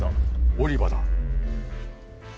オリバだ。